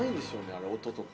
あれ音とか。